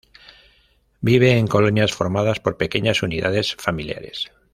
Vive en colonias formadas por pequeñas unidades familiares.